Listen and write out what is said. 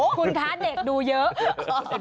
คุณคะเด็กดูเยอะ